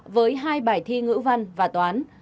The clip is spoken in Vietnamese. với hai bài thi ngữ văn và toán